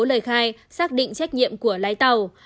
khởi khai xác định trách nhiệm của lái tàu